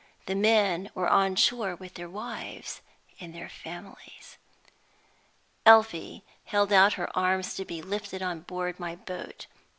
The men were on shore with their wives and their families. Elfie held out her arms to be lifted on board my boat. Mrs.